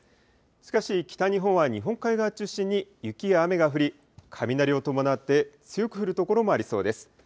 しかし、北日本は日本海側を中心に雪や雨が降り、雷を伴って強く降る所もありそうです。